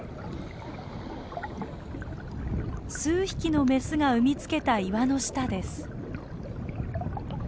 数匹のメスが産みつけた岩の下です。